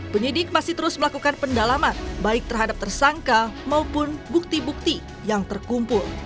penyidik masih terus melakukan pendalaman baik terhadap tersangka maupun bukti bukti yang terkumpul